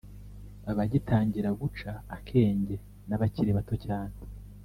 abagitangira guca akenge n’abakiri bato cyane